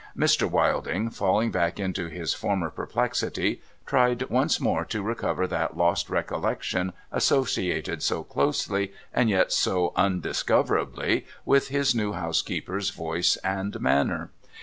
Mr. Wilding, falling back into his former perplexity, tried once more to recover that lost recollection, associated so closely, and yet so undiscoverably, with his new housekeeper's voice and manner.